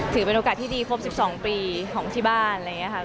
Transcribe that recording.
ถือเป็นโอกาสที่ดีครบ๑๒ปีของที่บ้านอะไรอย่างนี้ค่ะ